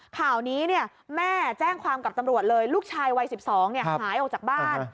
ข่าวนี้แม่แจ้งความกับตำรวจเลยลูกชายวัย๑๒หายออกจากบ้าน